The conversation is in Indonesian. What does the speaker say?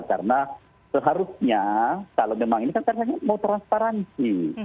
karena seharusnya kalau memang ini kan karena mau transparansi